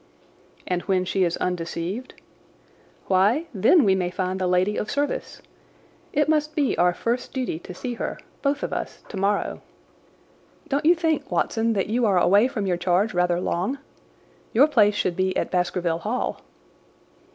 "And when she is undeceived?" "Why, then we may find the lady of service. It must be our first duty to see her—both of us—tomorrow. Don't you think, Watson, that you are away from your charge rather long? Your place should be at Baskerville Hall."